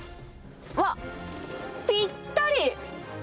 あっぴったり！